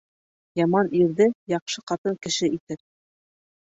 Яман ирҙе яҡшы ҡатын кеше итер.